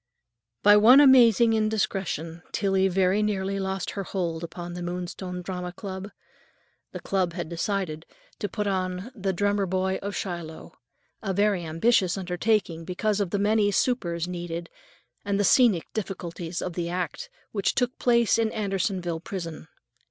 By one amazing indiscretion Tillie very nearly lost her hold upon the Moonstone Drama Club. The club had decided to put on "The Drummer Boy of Shiloh," a very ambitious undertaking because of the many supers needed and the scenic difficulties of the act which took place in Andersonville Prison.